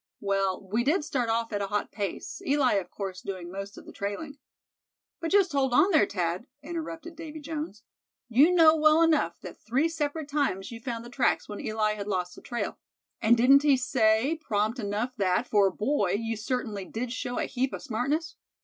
Well, we did start off at a hot pace, Eli of course doing most of the trailing." "But just hold on there, Thad," interrupted Davy Jones; "you know well enough that three separate times you found the tracks when Eli had lost the trail; and didn't he say prompt enough that, for a boy, you certainly did show a heap of smartness?"